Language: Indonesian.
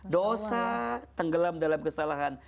dosa tenggelam dalam kesalahan